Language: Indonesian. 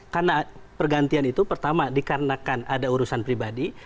karena pergantian itu pertama dikarenakan ada urusan pribadi